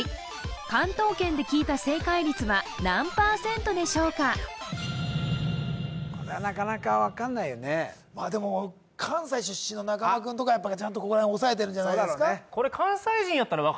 関東圏で聞いた正解率は何％でしょうかでも関西出身の中間君とかやっぱちゃんとここら辺押さえてるんじゃないですか